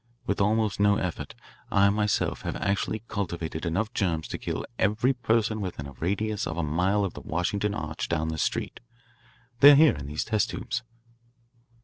With almost no effort, I myself have actually cultivated enough germs to kill every person within a radius of a mile of the Washington Arch down the street. They are here in these test tubes."